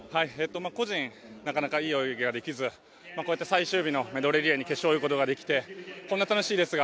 個人でなかなかいい泳ぎができず最終日のメドレーリレー決勝で泳ぐことができてこんな楽しいレースが